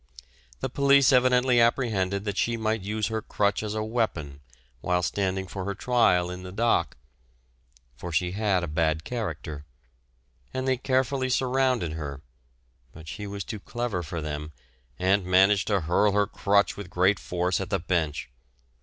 The police evidently apprehended that she might use her crutch as a weapon while standing for her trial in the dock, for she had a bad character, and they carefully surrounded her; but she was too clever for them, and managed to hurl her crutch with great force at the Bench.